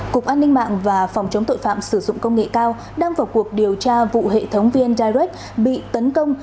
cục an ninh mạng và phòng chống tội phạm sử dụng công nghệ cao đang vào cuộc điều tra vụ hệ thống vn direct bị tấn công